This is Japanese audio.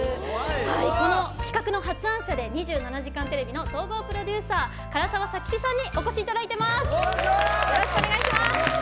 この企画の発案者で「２７時間テレビ」の総合プロデューサー唐沢佐吉さんにお越しいただいてます。